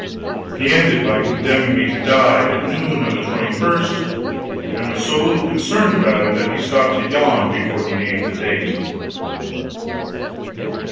He ended by condemning me to die at noon on the 21st; and was so little concerned about it that he stopped to yawn before he named the date.